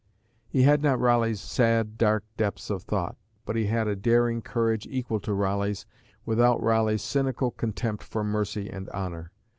He had not Raleigh's sad, dark depths of thought, but he had a daring courage equal to Raleigh's, without Raleigh's cynical contempt for mercy and honour.